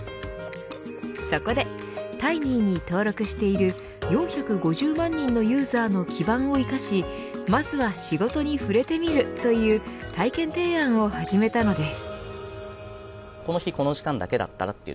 そこで、タイミーに登録している４５０万人のユーザーの基盤を生かしまずは仕事に触れてみるという体験提案を始めたのです。